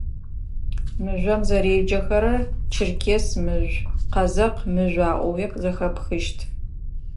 Мыжъом зэреджэхэрэр «Черкес мыжъу», «Къэзэкъ мыжъу» аӏоуи зэхэпхыщт.